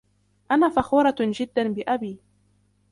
أنا فخورة جدا بأبي.